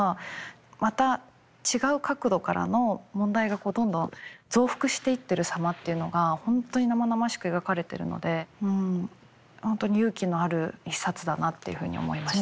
また違う角度からの問題がどんどん増幅していってる様っていうのが本当に生々しく描かれてるので本当に勇気のある一冊だなっていうふうに思いました。